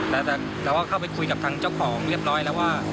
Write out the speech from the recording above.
แต่ว่าเข้าไปคุยกับทางเจ้าของเรียบร้อยแล้วว่า